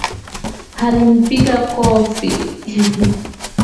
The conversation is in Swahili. Alinipiga kofi